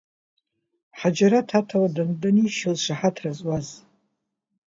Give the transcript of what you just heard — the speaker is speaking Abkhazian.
Ҳаџьараҭ аҭауад данишьуаз шаҳаҭра зуаз.